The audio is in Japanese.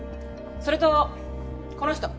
それとこの人。